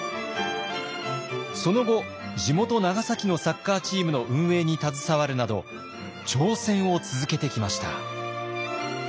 その後地元・長崎のサッカーチームの運営に携わるなど挑戦を続けてきました。